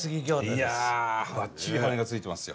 いやバッチリ羽根がついてますよ。